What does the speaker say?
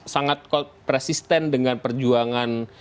sangat persisten dengan perjuangan